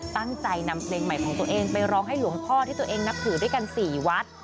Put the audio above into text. ตั้งใจนำเพลงใหม่ของตัวเองไปร้องให้หลวงพ่อที่ตัวเองนับถือด้วยกัน๔วัด